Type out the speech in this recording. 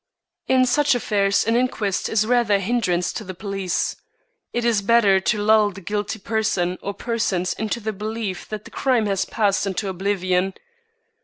"In such affairs an inquest is rather a hindrance to the police. It is better to lull the guilty person or persons into the belief that the crime has passed into oblivion.